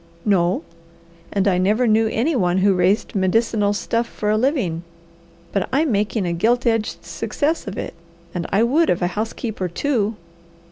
"No. And I never knew any one who raised medicinal stuff for a living, but I'm making a gilt edged success of it, and I would of a housekeeper, too."